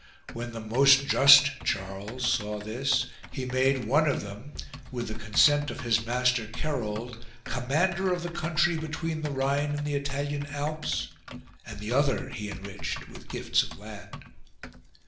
When the most just Charles saw this he made one of them, with the consent of his master Kerold, commander of the country between the Rhine and the Italian Alps and the other he enriched with gifts of land.